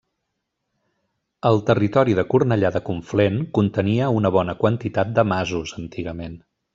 El territori de Cornellà de Conflent contenia una bona quantitat de masos, antigament.